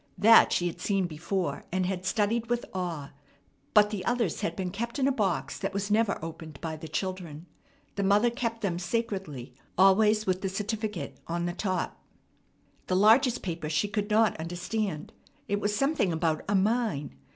That she had seen before, and had studied with awe; but the others had been kept in a box that was never opened by the children. The mother kept them sacredly, always with the certificate on the top. The largest paper she could not understand. It was something about a mine.